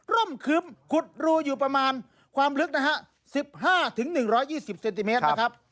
่มครึ้มขุดรูอยู่ประมาณความลึกนะฮะ๑๕๑๒๐เซนติเมตรนะครับ